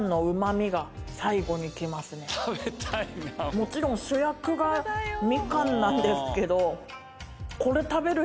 もちろん主役がみかんなんですけど。